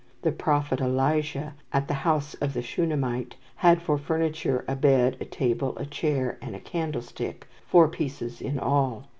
... The Prophet Elisha, at the house of the Shunamite, had for furniture a bed, a table, a chair, and a candlestick, four pieces in all.